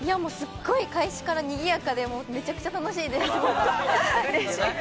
開始からすごいにぎやかで、めちゃくちゃ楽しいです。